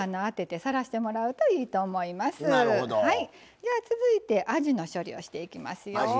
では続いてあじの処理をしていきますよ。